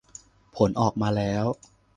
ผลออกมาแล้ว